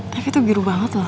tapi tuh biru banget loh